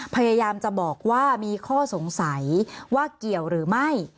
พยายามจะบอกว่ามีข้อสงสัยว่าเกี่ยวหรือไม่